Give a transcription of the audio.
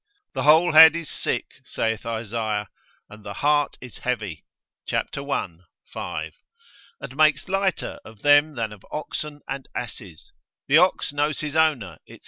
The whole head is sick, saith Esay, and the heart is heavy, cap. i. 5. And makes lighter of them than of oxen and asses, the ox knows his owner, &c.